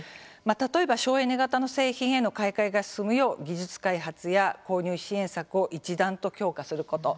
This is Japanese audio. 例えば、省エネ型の製品への買い替えが進むよう技術開発や購入支援策を一段と強化すること。